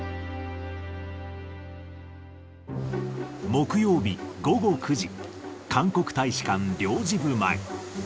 木曜日午後９時、韓国大使館領事部前。